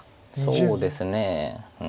そうですねうん。